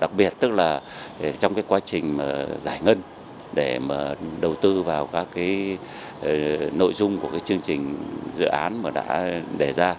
đặc biệt tức là trong cái quá trình giải ngân để mà đầu tư vào các nội dung của cái chương trình dự án mà đã đề ra